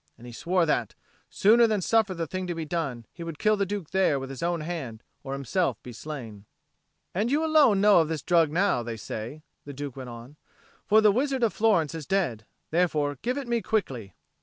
And he swore that, sooner than suffer the thing to be done, he would kill the Duke there with his own hand or himself be slain. "And you alone know of this drug now, they say," the Duke went on. "For the wizard of Florence is dead. Therefore give it me quickly."